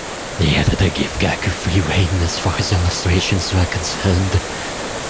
The editor gave Kaku free rein as far as illustrations were concerned.